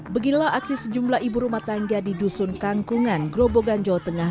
beginilah aksi sejumlah ibu rumah tangga di dusun kangkungan grobogan jawa tengah